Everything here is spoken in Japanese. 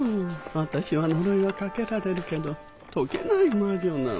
私は呪いはかけられるけど解けない魔女なの。